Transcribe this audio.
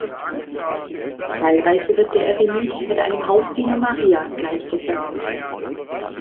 Teilweise wird der Eremit mit einem Hausdiener Marias gleichgesetzt.